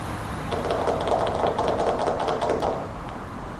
ბოლო პერიოდში მთის არწივის რიცხოვნობა მსოფლიოს მრავალ ქვეყანაში შემცირდა.